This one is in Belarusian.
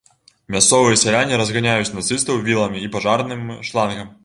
Мясцовыя сяляне разганяюць нацыстаў віламі і пажарным шлангам.